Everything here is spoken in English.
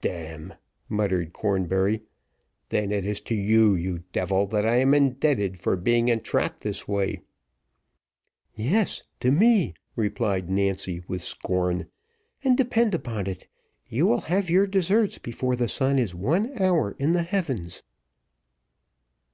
"D n!" muttered Cornbury; "then it is to you, you devil, that I am indebted for being entrapped this way." "Yes, to me," replied Nancy, with scorn. "And, depend upon it, you will have your deserts before the sun is one hour in the heavens."